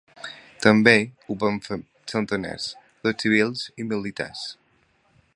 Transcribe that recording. També ho van fer centenars de civils i militars.